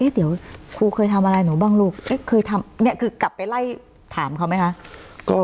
เดี๋ยวครูเคยทำอะไรหนูบ้างลูกเคยทำเนี่ยคือกลับไปไล่ถามเขาไหมคะ